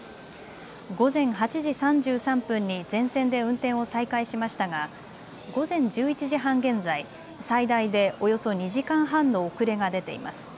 午前８時３３分に全線で運転を再開しましたが午前１１時半現在、最大でおよそ２時間半の遅れが出ています。